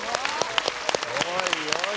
おいおい。